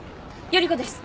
依子です。